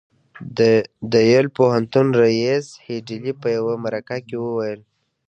د يل پوهنتون رييس هيډلي په يوه مرکه کې وويل.